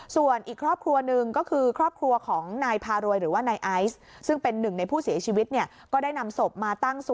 ส่วนอีกครอบครัวหนึ่งก็คือครอบครัวของนายพารวยหรือว่านายไอซ์